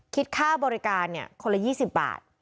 คิดค่าบริการคนละ๒๐บาท